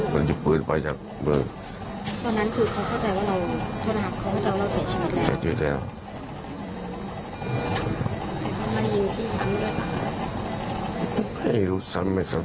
ไม่รู้ซ้ำไม่ซ้ำ